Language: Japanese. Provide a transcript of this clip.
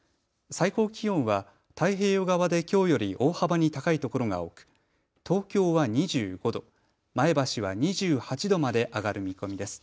最高気温は太平洋側できょうより大幅に高いところが多く東京は２５度、前橋は２８度まで上がる見込みです。